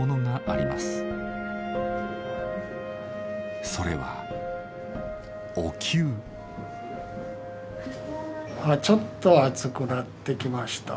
あちょっと熱くなってきました。